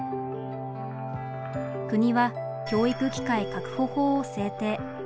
国は「教育機会確保法」を制定。